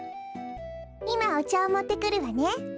いまおちゃをもってくるわね。